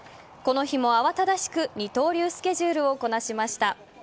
この日も慌ただしく二刀流スケジュールをこなしました。